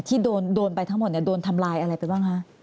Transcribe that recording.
ที่โดนไปทั้งหมดโดนทำลายอะไรไปบ้างคะ